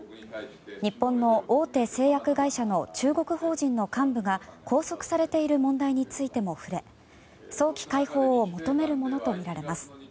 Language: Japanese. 日本の大手製薬会社の中国法人の幹部が拘束されている問題についても触れ早期解放を求めるものとみられます。